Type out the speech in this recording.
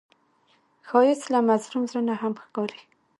ښایست له مظلوم زړه نه هم ښکاري